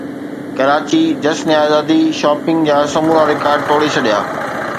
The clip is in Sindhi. ڪراچي جشنزادي شاپنگ جا سمورا رڪارڊ ٽوڙي ڇڏيا